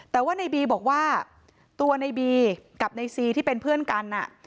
แต่ว่าในบีบอกว่าตัวในบีกับในซีที่เป็นเพื่อนกัน